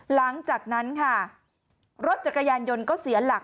หลังจากนั้นค่ะรถจักรยานยนต์ก็เสียหลัก